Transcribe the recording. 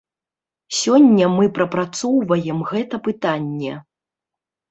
Сёння мы прапрацоўваем гэта пытанне.